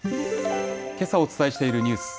けさお伝えしているニュース。